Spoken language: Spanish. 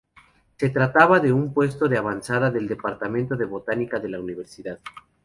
Se trataba de un puesto de avanzada del departamento de Botánica de la Universidad.